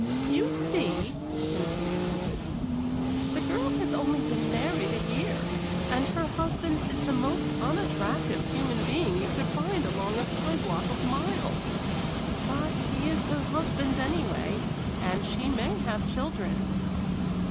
"You see," continued the widow, "the girl has only been married a year, and her husband is the most unattractive human being you could find along a sidewalk of miles; but he is her husband, anyway, and she may have children."